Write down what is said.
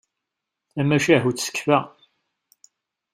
Tamacahut tekfa.